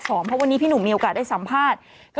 เพราะวันนี้พี่หนุ่มมีโอกาสได้สัมภาษณ์